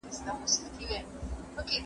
زه اجازه لرم چي کتابونه لوستم؟